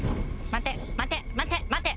待て待て待て待て。